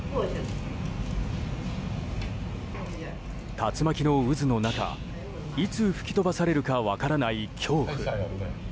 竜巻の渦の中いつ吹き飛ばされるか分からない恐怖。